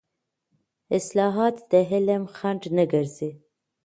اصطلاحات د علم خنډ نه ګرځي.